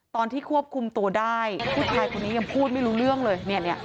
ตอนที่ควบคุมตัวได้ผู้ชายคนนี้ยังพูดไม่รู้เรื่องเลย